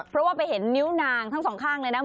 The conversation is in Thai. เพราะว่าไปเห็นนิ้วนางทั้งสองข้างเลยนะ